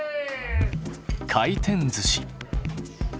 回転ずし。